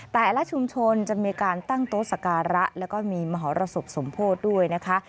แต่ละชุมชนจะมีการตั้งโต๊ะสการะแล้วก็มีมหรสบสมโพธิด้วยนะคะ